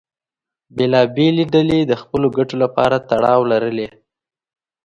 بېلابېلې ډلې د خپلو ګټو لپاره تړاو لرلې.